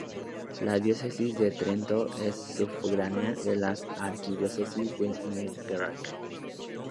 La Diócesis de Trenton es sufragánea de la Arquidiócesis de Newark.